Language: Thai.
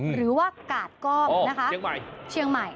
หรือว่ากาดก้อมนะคะเชียงใหม่